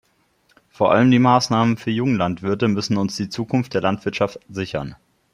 Vor allem die Maßnahmen für Junglandwirte müssen uns die Zukunft der Landwirtschaft sichern.